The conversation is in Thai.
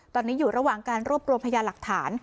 ตอนนี้อยู่ระหว่างการรวบรวมพยานหลักฐาน